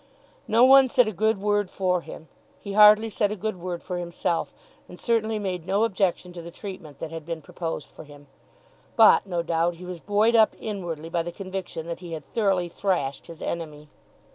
No one said a good word for him. He hardly said a good word for himself, and certainly made no objection to the treatment that had been proposed for him. But, no doubt, he was buoyed up inwardly by the conviction that he had thoroughly thrashed his enemy.